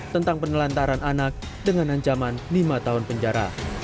tentang penelantaran anak dengan ancaman lima tahun penjara